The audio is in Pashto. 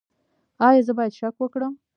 ایا زه باید شک وکړم؟